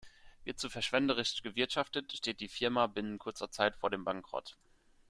Wird zu verschwenderisch gewirtschaftet, steht die Firma binnen kurzer Zeit vor dem Bankrott.